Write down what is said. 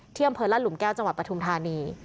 เที่ยมเผิดล่าหลุมแก้วจังหวัดประธุมธานี